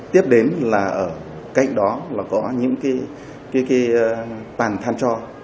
tiếp đến là ở cạnh đó là có những cái tàn than cho